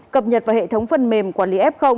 cập nhật vào hệ thống phần mềm quản lý f